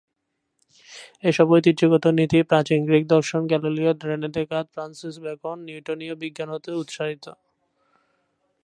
এসব ঐতিহ্যগত নীতি প্রাচীন গ্রিক দর্শন, Galileo, Rene Descartes, Francis Bacon, নিউটনীয় বিজ্ঞান হতে উৎসারিত।